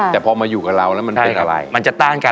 แต่พอมาอยู่กับเราแล้วมันเป็นอะไรมันจะต้านกัน